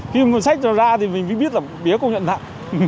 khi mà xách ra thì mình biết là bía công nhận nạn